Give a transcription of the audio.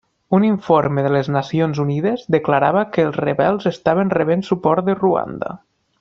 Un informe de les Nacions Unides declarava que els rebels estaven rebent suport de Ruanda.